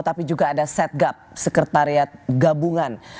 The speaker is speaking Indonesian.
tapi juga ada setgab sekretariat gabungan